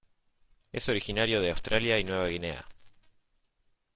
Es originario de Australia y Nueva Guinea.